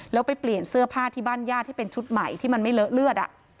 แล้วไปเปลี่ยนเสื้อผ้าที่บ้านญาติที่เป็นชุดใหม่ที่มันไม่เลอะเลือด